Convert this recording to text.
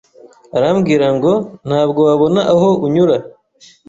arambwira ngo ntabwo wabona aho unyura.